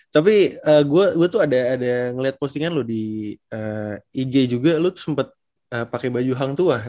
tapi gue tuh ada ngeliat postingan lu di ig juga lu tuh sempet pake baju hang tua